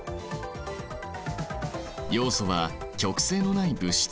ヨウ素は極性のない物質。